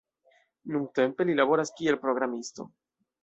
Nuntempe li laboras kiel programisto.